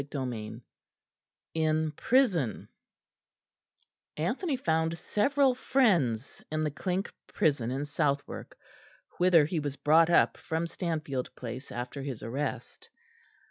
CHAPTER XIII IN PRISON Anthony found several friends in the Clink prison in Southwark, whither he was brought up from Stanfield Place after his arrest.